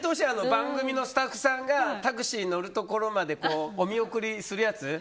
番組のスタッフさんがタクシーに乗るところまでお見送りするやつ。